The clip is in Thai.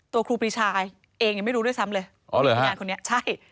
ครูปรีชาเองยังไม่รู้ด้วยซ้ำเลยอ๋อเหรอพยานคนนี้ใช่